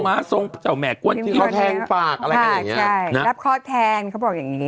มาส่งเจ่าแม่ที่ออกแทงฟากอะไรแบบนี้